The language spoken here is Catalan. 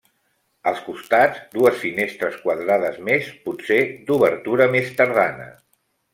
Als costats, dues finestres quadrades més, potser d'obertura més tardana.